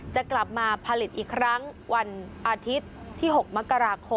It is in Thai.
จะกลับมาผลิตอีกครั้งวันอาทิตย์ที่๖มกราคม